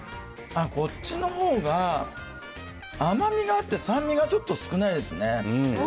あっ、こっちのほうが甘みがあって、酸味がちょっと少ないですね。